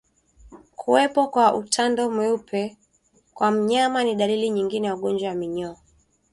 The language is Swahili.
Kuwepo kwa utando mweupe kwa mnyama ni dalili nyingine ya ugonjwa wa minyoo